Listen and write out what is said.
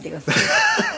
ハハハハ。